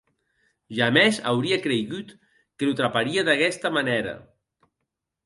Jamès auria creigut que lo traparia d’aguesta manèra.